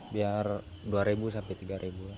biar rp dua sampai rp tiga